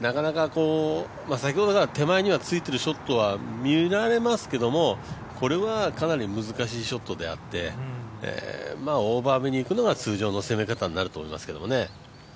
先ほどから手前についているショットは見られますけれども、これはかなり難しいショットであってオーバーめにいくのが通常の攻め方になると思いますけどね。